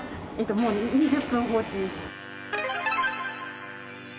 もう２０分放置。